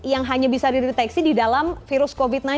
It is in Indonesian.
yang hanya bisa dideteksi di dalam virus covid sembilan belas